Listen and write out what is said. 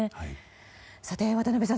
さて、渡辺さん